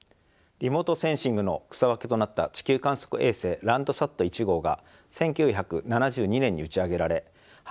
リモートセンシングの草分けとなった地球観測衛星Ｌａｎｄｓａｔ１号が１９７２年に打ち上げられ半世紀以上たちました。